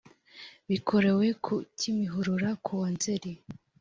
bikorewe ku kimihurura kuwa nzeri